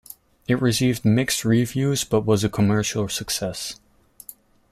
It received mixed reviews but was a commercial success.